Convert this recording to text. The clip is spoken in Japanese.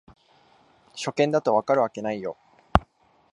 初見だと解けるわけないよ